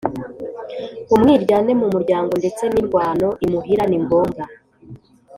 umwiryane mu muryango ndetse n indwano imuhira Ni ngombwa